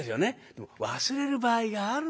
でも忘れる場合があるんですよ。